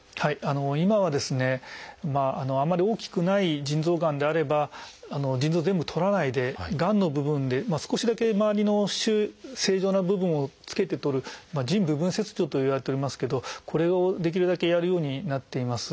今はですねあんまり大きくない腎臓がんであれば腎臓を全部とらないでがんの部分で少しだけ周りの正常な部分をつけてとる「腎部分切除」といわれておりますけどこれをできるだけやるようになっています。